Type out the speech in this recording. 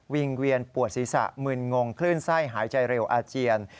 งเวียนปวดศีรษะมึนงงคลื่นไส้หายใจเร็วอาเจียน